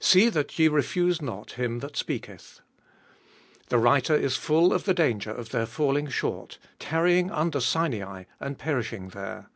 See that ye refuse not Him that speaketh. The writer is full of the danger of their falling short, tarrying under Sinai, and perishing there.